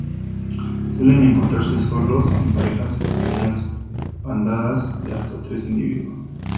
Suelen encontrarse solos, en parejas o pequeñas bandadas de hasta tres individuos.